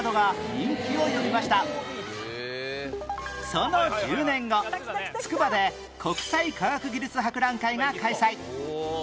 その１０年後つくばで国際科学技術博覧会が開催